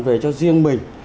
về cho riêng mình